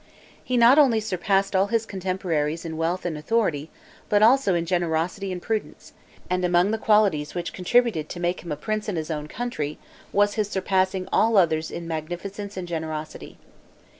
He not only surpassed all his contemporaries in wealth and authority, but also in generosity and prudence; and among the qualities which contributed to make him prince in his own country, was his surpassing all others in magnificence and generosity.